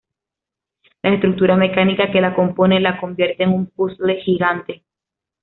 La estructura mecánica que la compone la convierte en un puzle gigante.